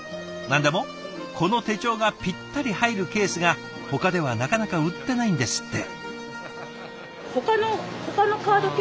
何でもこの手帳がピッタリ入るケースがほかではなかなか売ってないんですって。